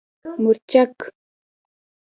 🌶 مورچک